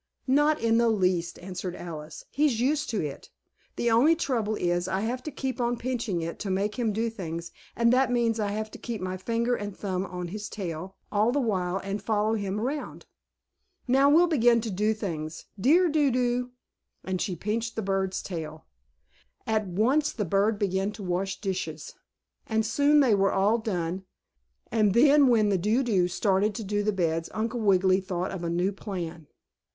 "Not in the least," answered Alice. "He's used to it. The only trouble is I have to keep on pinching it to make him do things, and that means I have to keep my finger and thumb on his tail all the while and follow him around. Now we'll begin to do things, dear Do do," and she pinched the bird's tail. At once the bird began to wash dishes, and soon they were all done, and then when the Do do started to do the beds Uncle Wiggily thought of a new plan.